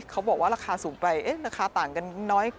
เขาบอกว่าราคาสูงไปราคาต่างกันน้อย